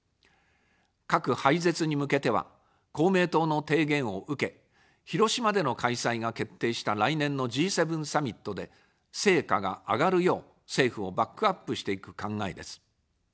核廃絶に向けては、公明党の提言を受け、広島での開催が決定した来年のＧ７サミットで成果が上がるよう政府をバックアップしていく考えです。